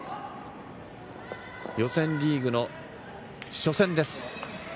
予選リーグの初戦です。